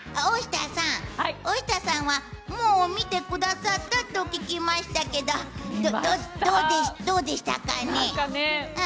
大下さんはもう見てくださったと聞きましたけどどうでしたかね？